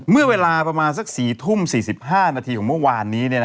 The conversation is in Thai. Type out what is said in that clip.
เมื่อเวลาประมาณสัก๔ทุ่ม๔๕นาทีของเมื่อวานนี้